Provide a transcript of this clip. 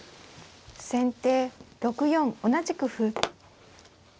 先手６四同じく歩。